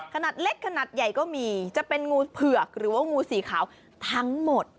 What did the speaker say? ขนาดเล็กขนาดใหญ่ก็มีจะเป็นงูเผือกหรือว่างูสีขาวทั้งหมด